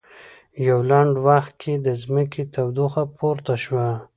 په یوه لنډ وخت کې د ځمکې تودوخه پورته شوه.